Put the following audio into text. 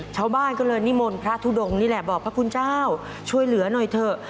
ชาวบ้านก็เลยนิมนต์พระทุดงนี่แหละบอกพระคุณเจ้าช่วยเหลือหน่อยเถอะ